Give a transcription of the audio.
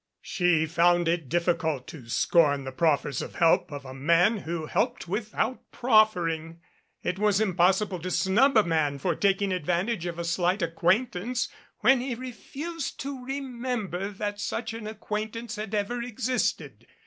She found it difficult to scorn the proffers of help of a man who helped without proffering. It was impossible to snub a man for taking advantage of a slight acquaintance when he refused to remember that such an acquaintance had ever existed.